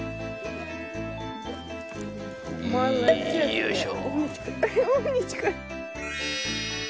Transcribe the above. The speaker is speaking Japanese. よいしょ。